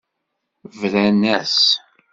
Bran-as.